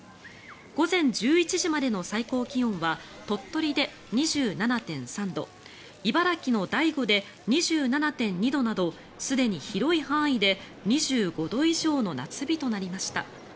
午前１１時までの最高気温は鳥取で２７．３度茨城の大子で２７．２度などすでに広い範囲で２５度以上の夏日となりました。